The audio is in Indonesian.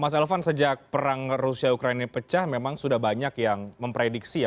mas elvan sejak perang rusia ukraina pecah memang sudah banyak yang memprediksi ya